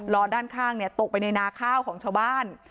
ด้านข้างตกไปในนาข้าวของชาวบ้าน